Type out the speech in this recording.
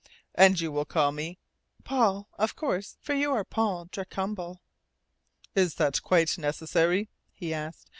"And you will call me " "Paul, of course for you are Paul Darcambal." "Is that quite necessary?" he asked.